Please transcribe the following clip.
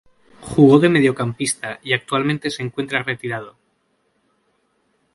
Jugó de mediocampista y actualmente se encuentra retirado.